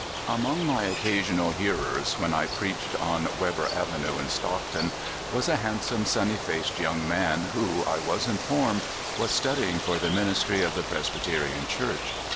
A MONG my occasional hearers when I preached on Weber Avenue, in Stockton, was a handsome, sunny faced young man who, I was informed, was studying for the ministry of the Presbyterian Church.